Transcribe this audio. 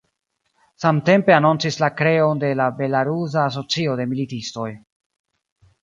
Samtempe anoncis la kreon de la belarusa asocio de militistoj.